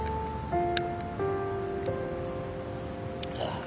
ああ。